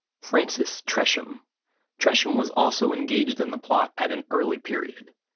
FRANCIS TRESHAM. Tresham was also engaged in the plot at an early period.